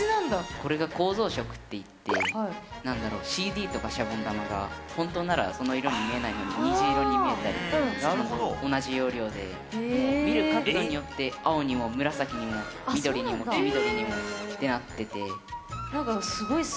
これが「構造色」っていって何だろうＣＤとかシャボン玉が本当ならその色に見えないのに虹色に見えたりするのと同じ要領でもう見る角度によって青にも紫にも緑にも黄緑にもってなってて。